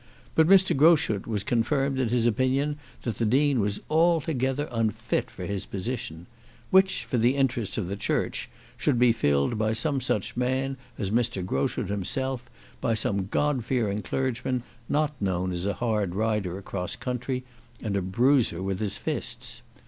But Mr. Groschut was confirmed in his opinion that the Dean was altogether unfit for his position, which, for the interests of the Church, should be filled by some such man as Mr. Groschut himself, by some God fearing clergyman, not known as a hard rider across country and as a bruiser with his fists.